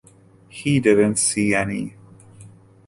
He didn't see any.